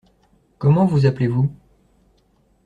Comment vous appelez-vous ?